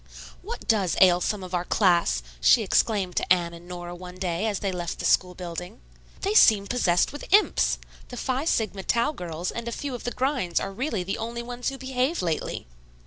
"What does ail some of our class?" she exclaimed to Anne and Nora one day as they left the school building. "They seem possessed with imps. The Phi Sigma Tau girls and a few of the grinds are really the only ones who behave lately."